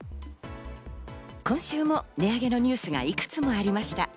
今週も値上げのニュースがいくつもありました。